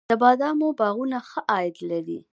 د بادامو باغونه ښه عاید لري؟